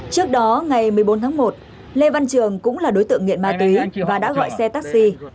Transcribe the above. trước đó ngày một mươi bốn tháng một lê văn trường cũng là đối tượng nghiện ma túy và đã gọi xe taxi